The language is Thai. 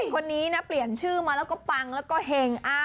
คนนี้นะเปลี่ยนชื่อมาแล้วก็ปังแล้วก็เห็ง